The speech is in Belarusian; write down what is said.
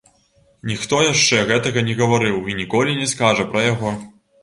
Ніхто яшчэ гэтага не гаварыў і ніколі не скажа пра яго.